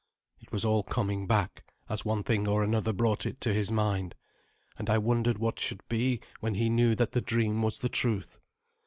It was all coming back, as one thing or another brought it to his mind; and I wondered what should be when he knew that the dream was the truth.